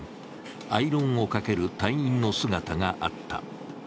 アイロンをかける隊員の姿があった。